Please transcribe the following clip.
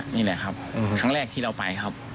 นี่แหละครับครั้งแรกที่เราไปครับ